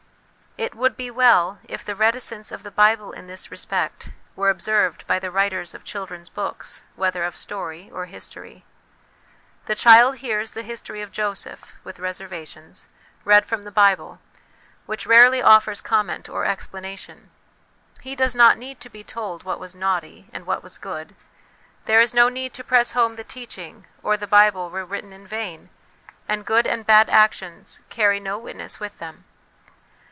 It would be well if the reticence of the Bible in this respect were observed by the writers of children's books, whether of story or history. The child hears the history of Joseph (with reservations) read from THE WILL CONSCIENCE DIVINE LIFE 337 the Bible, which rarely offers comment or expla nation. He does not need to be told what was ' naughty' and what was 'good' ; there is no need to press home the teaching, or the Bible were written in vain, and good and bad actions carry no witness with them.